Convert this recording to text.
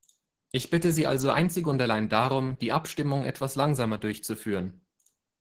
Ich bitte Sie also einzig und allein darum, die Abstimmung etwas langsamer durchzuführen.